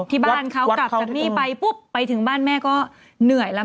ที่บ้านเขากลับจากนี่ไปปุ๊บไปถึงบ้านแม่ก็เหนื่อยแล้ว